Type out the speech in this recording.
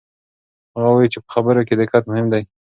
هغه وایي چې په خبرونو کې دقت مهم دی.